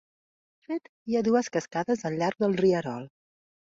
De fet hi ha dues cascades al llarg del rierol.